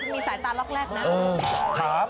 มีสายตาล็อกแรกนะ